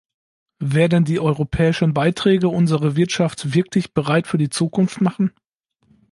Werden die europäischen Beiträge unsere Wirtschaft wirklich bereit für die Zukunft machen?